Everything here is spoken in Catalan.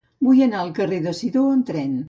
Vull anar al carrer de Sidó amb tren.